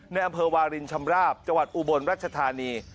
ในอำเภอวารินชำราบจังหวัดอุบลรัชธานี